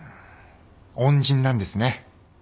恩人なんですね。